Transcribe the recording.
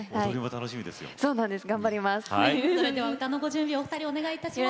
楽しみです。